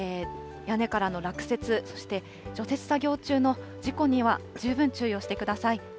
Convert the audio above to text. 屋根からの落雪、そして除雪作業中の事故には、十分注意をしてください。